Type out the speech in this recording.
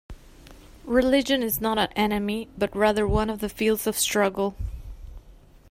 Religion is not an enemy but rather one of the fields of struggle.